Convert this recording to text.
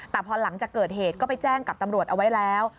แต่พอหลังจากเกิดเหตุก็ไปแจ้งกับตำรวจเอาไว้แล้ว